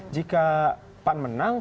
jika pan menang